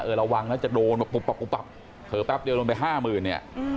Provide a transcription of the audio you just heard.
เออระวังนะจะโดนเบาบบเผอร์แป๊บเดี๋ยวลงไป๕มือเนี่ย